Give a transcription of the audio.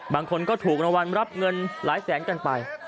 บางคนก็ถูกรางวัลรับเงินหลายแสนกันไป